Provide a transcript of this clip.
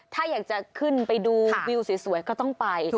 ถ้าอยากจะขึ้นไปดูวิวสวยก็ต้องไป